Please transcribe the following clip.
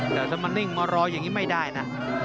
แต่ถ้ามานิ่งมารออย่างนี้ไม่ได้นะ